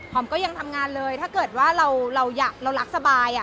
ก็ยังทำงานเลยถ้าเกิดว่าเรารักสบาย